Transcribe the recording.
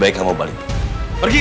biarkan dia bi tigersnya sir